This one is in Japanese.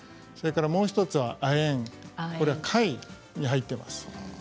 それからもう１つ、亜鉛これは貝に入っています。